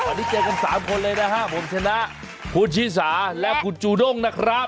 วันนี้เจอกัน๓คนเลยนะฮะผมชนะคุณชิสาและคุณจูด้งนะครับ